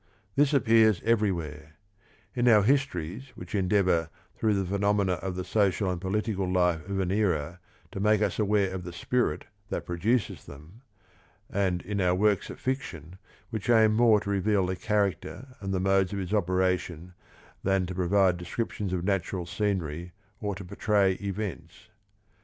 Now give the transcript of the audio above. This appears everywhere; in our histories which endeavor through the phenomena of the social and political life of an era to make us aware of the spirit that produces them, and THE RING AND THE BOOK 9 in our works of fiction which aim more to reveal character and the modes of its operation than to provide descriptions of natural scenery or to portray events.